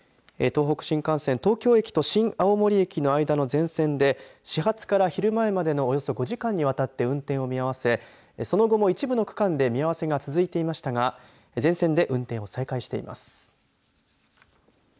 東北新幹線東京駅と新青森駅の間の全線で始発から昼前までのおよそ５時間にわたって運転を見合わせその後も一部の区間で見合わせが続いていましたが全線で運転を再開しています。